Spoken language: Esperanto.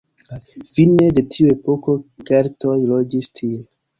Fine de tiu epoko keltoj loĝis tie.